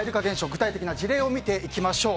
具体的な事例を見ていきましょう。